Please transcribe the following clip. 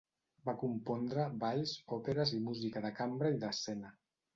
Va compondre, balls, òperes i música de cambra i d'escena.